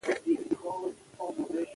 په ریپورټ کښي باید خبري سره تړلې وي.